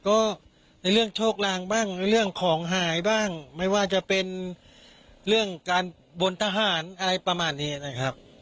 ก็ในเรื่องโชคลางบ้างในเรื่องของหายบ้างไม่ว่าจะเป็นเรื่องการบนทหารอะไรประมาณนี้นะครับ